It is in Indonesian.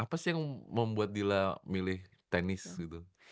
apa sih yang membuat dila milih tenis gitu